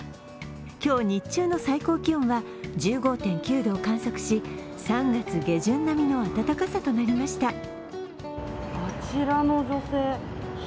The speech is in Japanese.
今日、日中の最高気温は１５．９度を観測し３月下旬並みの暖かさとなりました